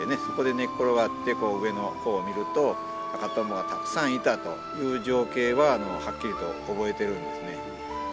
そこで寝っ転がって上の方を見ると赤とんぼがたくさんいたという情景ははっきりと覚えてるんですね。